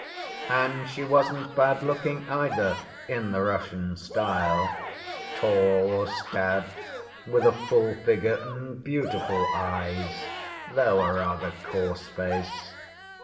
And she wasn't bad‐looking either, in the Russian style: tall, stout, with a full figure, and beautiful eyes, though a rather coarse face.